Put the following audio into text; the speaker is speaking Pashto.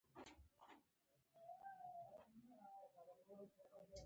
دین پېژندل باید د ټول تاریخ په کُلیت سره وشي.